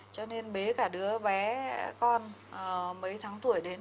cho nên bế cả đứa bé con mấy tháng tuổi đến